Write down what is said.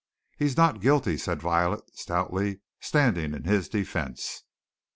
"He's not guilty," said Violet, stoutly, standing in his defense.